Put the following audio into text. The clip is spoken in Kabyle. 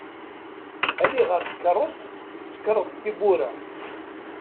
Ali ɣer tkeṛṛust tsekkreḍ-d tiwwura.